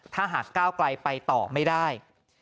ถ้าหากก้าวไกลไปต่อไม่ได้